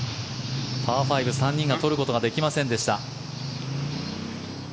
パー５、３人が取ることができませんでした。